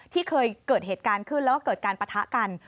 ที่เคยเกิดเหตุการณ์ขึ้นแล้วก็เกิดการปะทะกัน